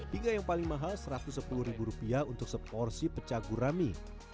hingga yang paling mahal rp satu ratus sepuluh untuk seporsi pecah gurami